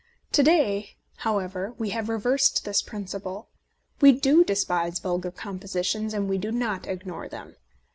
To day, however, we have reversed this principle. We do despise vulgar composi tions, and we do not ignore them.